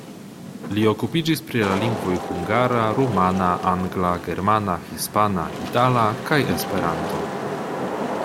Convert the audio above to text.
Li okupiĝis pri la lingvoj hungara, rumana, angla, germana, hispana, itala kaj Esperanto.